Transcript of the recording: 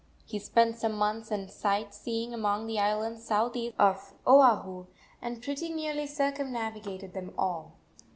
He spent some months in sight seeing among the islands southeast of Oahu, and pretty nearly circumnavigated them all.